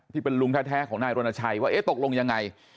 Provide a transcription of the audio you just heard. ที่เป็นลุงแท้ของนายรณชัยว่าเอ๊ะตกลงยังไง